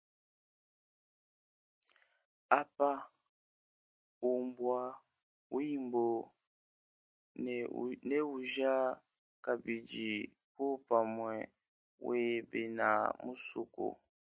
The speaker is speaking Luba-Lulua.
Apa, ubwa wimbo ne uja kabidi popamwe we bena musoko.